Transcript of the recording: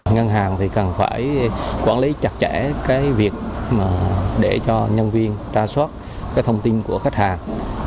ngân hàng thì cần phải quản lý chặt chẽ cái việc để cho nhân viên tra soát cái thông tin của khách hàng